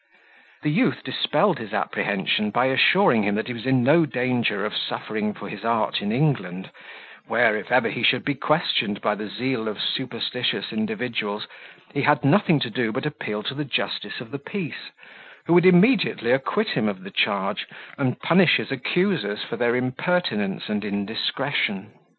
The youth dispelled his apprehension by assuring him that he was in no danger of suffering for his art in England, where, if ever he should be questioned by the zeal of superstitious individuals, he had nothing to do but appeal to the justice of the peace, who would immediately acquit him of the charge, and punish his accusers for their impertinence and indiscretion.